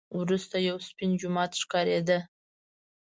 وروسته یو سپین جومات ښکارېده.